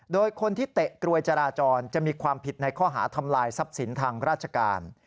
โดยคนที่เตะกรวยจราจรจะมีความผิดในข้อหาทำลายทรัพย์สินทางราชการ